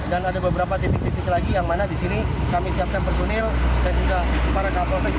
dan ada beberapa titik titik lagi yang mana disini kami siapkan personil dan juga para kapal seks